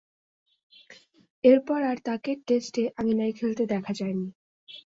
এরপর আর তাকে টেস্টে আঙ্গিনায় খেলতে দেখা যায়নি।